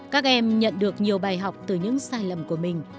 các em nhận được nhiều bài học từ những sai lầm của mình